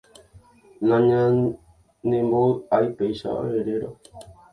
nañanembovy'ái péicha erérõ.